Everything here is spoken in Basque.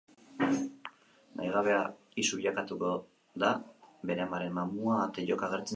Nahigabea izu bilakatuko da bere amaren mamua ate joka agertzen zaionean.